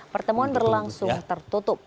pertemuan berlangsung tertutup